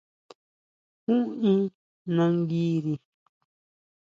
¿Jú in nanguiri?